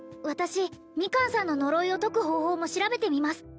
私ミカンさんの呪いを解く方法も調べてみます